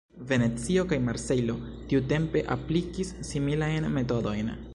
Venecio kaj Marsejlo tiutempe aplikis similajn metodojn.